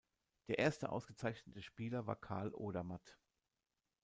Der erste ausgezeichnete Spieler war Karl Odermatt.